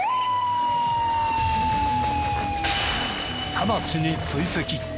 直ちに追跡！